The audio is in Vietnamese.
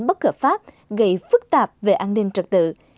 bất hợp pháp gây phức tạp về an ninh trật tự